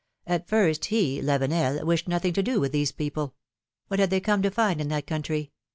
At first, he, Lavenel, v/ished nothing to do with those people; what had they come to find in that country?